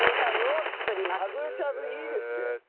しゃぶしゃぶいいですね！